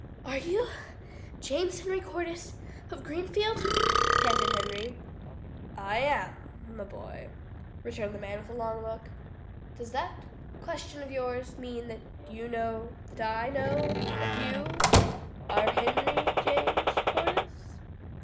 "Are you James Henry Cordyce of Greenfield?" panted Henry. "I am, my boy," returned the man with a long look. "Does that question of yours mean that you know that I know that you are Henry James Cordyce?"